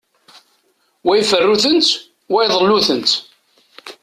Wa iferru-tent, wa iḍellu-tent.